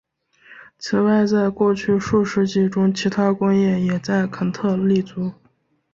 此外在过去数世纪中其它工业也在肯特立足。